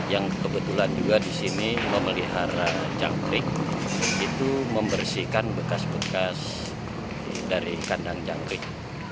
yang kebetulan juga di sini memelihara jangkrik itu membersihkan bekas bekas dari kandang jangkrik